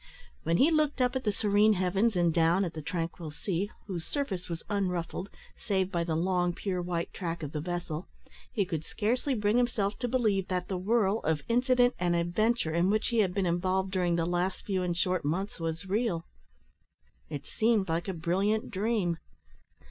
When he looked up at the serene heavens, and down at the tranquil sea, whose surface was unruffled, save by the long pure white track of the vessel, he could scarcely bring himself to believe that the whirl of incident and adventure in which he had been involved during the last few and short months was real. It seemed like a brilliant dream.